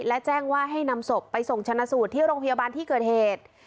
และแจ้งว่าให้นำศพไปส่งชนะสูตรที่โรงพยาบาลที่เกิดเหตุ